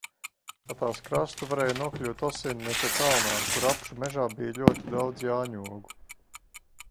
Pa tās krastu varēja nokļūt Osinnika kalnā, kur apšu mežā bija ļoti daudz jāņogu.